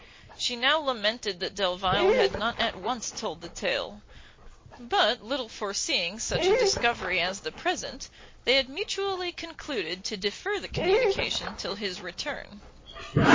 She now lamented that Delvile had not at once told the tale, but, little foreseeing such a discovery as the present, they had mutually concluded to defer the communication till his return.